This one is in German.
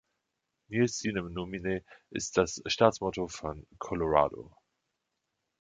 Nil sine numine ist das Staatsmotto von Colorado.